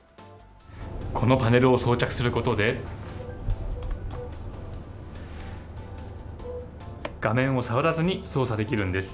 このパネルを装着することで、画面を触らずに操作できるんです。